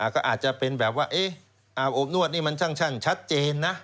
ก็อาจจะเป็นแบบว่าอาบอบนวดนี่มันช่างชัดเจนนะ